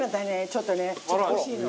ちょっとねちょっと欲しいの。